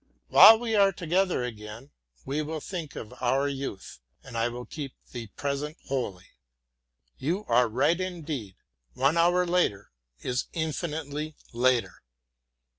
When we are together again we will think of our youth, and I will keep the present holy. You are right indeed; one hour later is infinitely later.